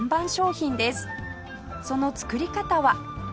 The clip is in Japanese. その作り方は